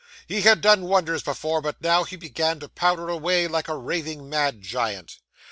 He had done wonders before, but now he began to powder away like a raving mad giant.